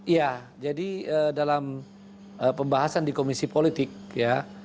ya jadi dalam pembahasan di komisi politik ya